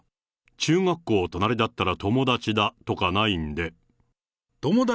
中学校隣だったら友達だ！とかないんで。